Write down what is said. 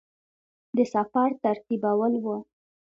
د سفر ترتیبول وه.